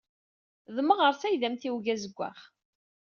D Meɣres ay d amtiweg azewwaɣ.